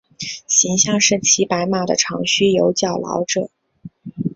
形象是骑白马的长须有角老者。